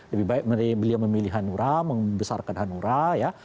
lebih baik beliau memilih hanura membesarkan hanura ya